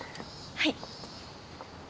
はい。